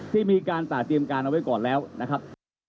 ที่มีการสะเตรียมการเอาไว้ก่อนแล้วนะครับ